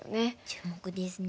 注目ですね。